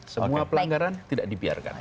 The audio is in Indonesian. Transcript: semua pelanggaran tidak dibiarkan